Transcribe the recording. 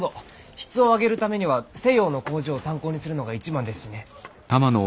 質を上げるためには西洋の工場を参考にするのが一番ですしね。